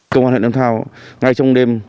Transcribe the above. công an huyện lâm thao ngay trong đêm